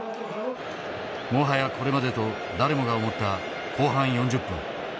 もはやこれまでと誰もが思った後半４０分。